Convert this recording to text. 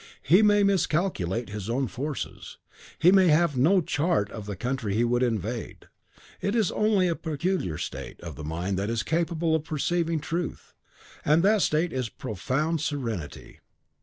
He may miscalculate his own forces; he may have no chart of the country he would invade. It is only in a peculiar state of the mind that it is capable of perceiving truth; and that state is profound serenity.